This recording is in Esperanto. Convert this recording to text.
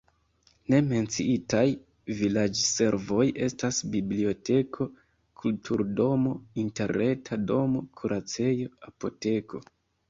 Ne menciitaj vilaĝservoj estas biblioteko, kulturdomo, interreta domo, kuracejo, apoteko.